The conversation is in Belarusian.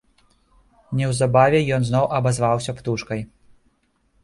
Неўзабаве ён зноў абазваўся птушкай.